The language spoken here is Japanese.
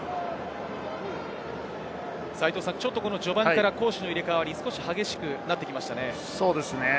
ちょっと序盤から攻守の入れ替わりが少し激しくなってきましたね。